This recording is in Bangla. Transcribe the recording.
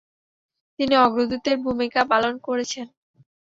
তিনি অগ্রদূতের ভূমিকা পালন করেছেন।